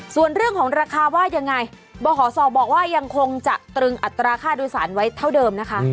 ส่วนเรื่องของราคาว่ายังไงบขศบอกว่ายังคงจะตรึงอัตราค่าโดยสารไว้เท่าเดิมนะคะ